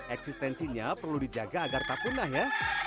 eksistensinya perlu dijaga agar tak punah ya